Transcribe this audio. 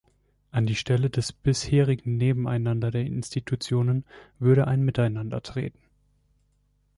An die Stelle des bisherigen Nebeneinander der Institutionen würde ein Miteinander treten.